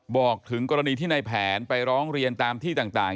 บอกถึงกรณีที่ในแผนไปร้องเรียนตามที่ต่าง